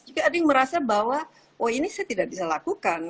juga ada yang merasa bahwa oh ini saya tidak bisa lakukan